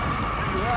うわ！